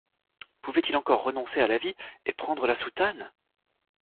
Pouvait-il encore renoncer à la vie et prendre la soutane?